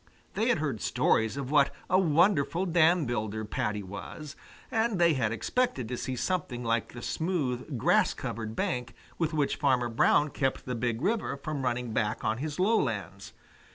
They had heard stories of what a wonderful dam builder Paddy was, and they had expected to see something like the smooth, grass covered bank with which Farmer Brown kept the Big River from running back on his low lands.